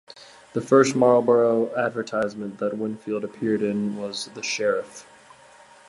The first Marlboro advertisement that Winfield appeared in was "The Sheriff".